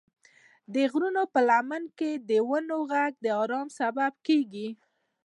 د غرونو په لمن کې د ونو غږ د ارامۍ سبب کېږي.